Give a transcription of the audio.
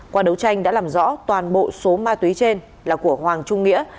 qua đấu tranh đã làm rõ toàn bộ số ma túy trên là của hoàng trung nghĩa